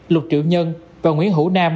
lục triệu nhân và nguyễn hữu nam